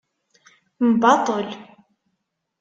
Mbaṭel.